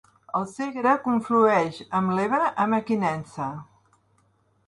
El Segre conflueix amb l'Ebre a Mequinensa.